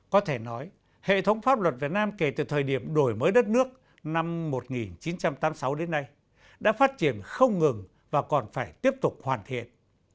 có thể nói hệ thống pháp luật việt nam kể từ thời điểm đổi mới đất nước năm một nghìn chín trăm tám mươi sáu đến nay đã phát triển không ngừng và còn phải tiếp tục hoàn thiện